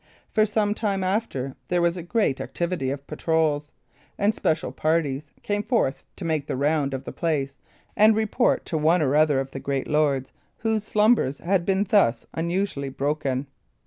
For some time after, there was a great activity of patrols; and special parties came forth to make the round of the place and report to one or other of the great lords, whose slumbers had been thus unusually broken.